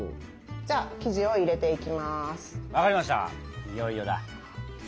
じゃあ生地を入れていきます。